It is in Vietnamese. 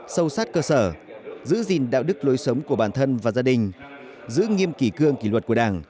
sâu sát cơ sở giữ gìn đạo đức lối sống của bản thân và gia đình giữ nghiêm kỷ cương kỷ luật của đảng